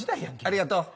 ありがとう。